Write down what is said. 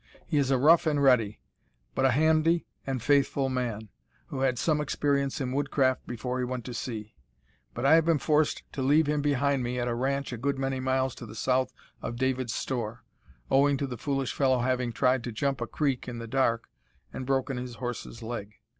He is a rough and ready, but a handy and faithful, man, who had some experience in woodcraft before he went to sea, but I have been forced to leave him behind me at a ranch a good many miles to the south of David's store, owing to the foolish fellow having tried to jump a creek in the dark and broken his horse's leg.